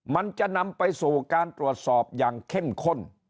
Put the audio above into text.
มันจะนำไปสู่การตรวจสอบอย่างเข้มข้น